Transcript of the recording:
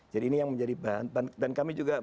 jadi ini yang menjadi dan kami juga